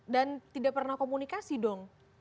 tidak pernah komunikasi dong